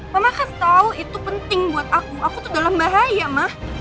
mama kasih tau itu penting buat aku aku tuh dalam bahaya mah